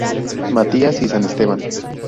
Matías y San Esteban.